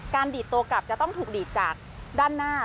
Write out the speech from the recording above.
ดีดตัวกลับจะต้องถูกดีดจากด้านหน้า